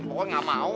pokoknya gak mau